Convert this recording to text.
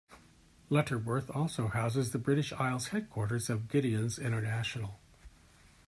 Lutterworth also houses the British Isles headquarters of Gideons International.